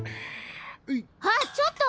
あっちょっと！